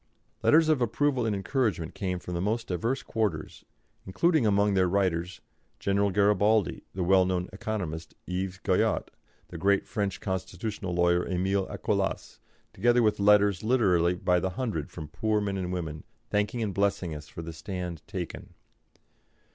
Letters of approval and encouragement came from the most diverse quarters, including among their writers General Garibaldi, the well known economist, Yves Guyot, the great French constitutional lawyer, Emile Acollas, together with letters literally by the hundred from poor men and women thanking and blessing us for the stand taken.